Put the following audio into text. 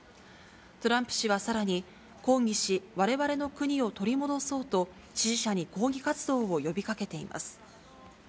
トランプ氏はさらに、抗議し、われわれの国を取り戻そうと、支持者に抗議活動を呼びかけています。